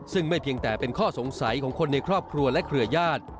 ซึ่งไม่เพียงแต่เป็นข้อสงสัยของคนในครอบครัวและเครือญาติ